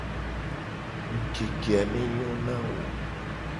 Ngukeke a ne nyo na wo.